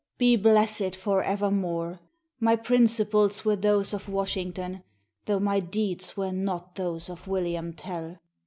Be blessed for evermore ! My principles were those of Wash ington, though my deeds were not those of William Tell!